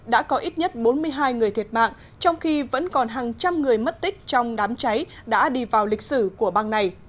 băng này đã chết bốn mươi hai người thiệt mạng trong khi vẫn còn hàng trăm người mất tích trong đám cháy đã đi vào lịch sử của bang này